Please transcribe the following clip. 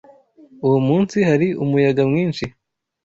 Uwo munsi hari umuyaga mwinshi.